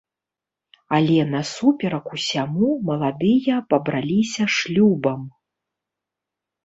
Але насуперак усяму маладыя пабраліся шлюбам.